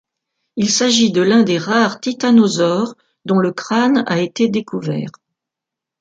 Il s'agit de l'un des rares titanosaures dont le crâne a été découvert.